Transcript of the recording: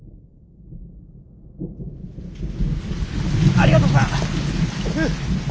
ありがとさん。